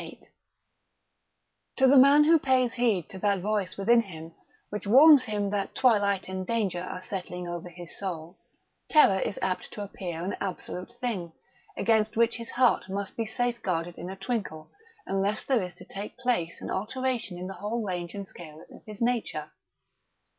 VIII To the man who pays heed to that voice within him which warns him that twilight and danger are settling over his soul, terror is apt to appear an absolute thing, against which his heart must be safeguarded in a twink unless there is to take place an alteration in the whole range and scale of his nature.